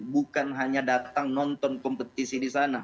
bukan hanya datang nonton kompetisi di sana